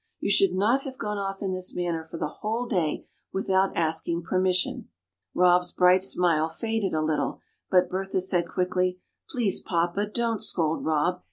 "You should not have gone off in this manner for the whole day without asking permission." Rob's bright smile faded a little; but Bertha said, quickly, "Please, papa, don't scold Rob.